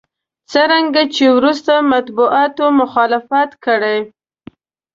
څرنګه چې وروسته مطبوعاتو مخالفت کړی.